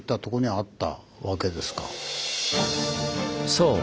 そう！